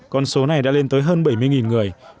con số này đã lên tới hơn bảy mươi người